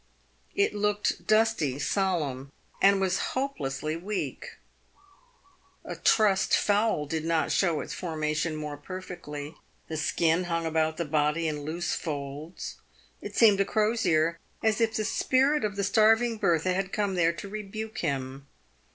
It looked dusty, solemn, and hopelessly weak. A trussed fowl did not show its formation more perfectly. The skin hung about the body in loose folds. It seemed to Crosier as if the spirit of the starving Bertha had come there to rebuke him.